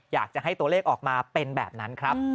อยากจะให้ตัวเลขออกมาเป็นแบบนั้นครับ